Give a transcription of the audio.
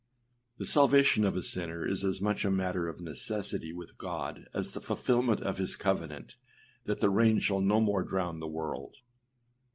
The salvation of a sinner is as much a matter of necessity with God as the fulfilment of his covenant that the rain shall no more drown the world.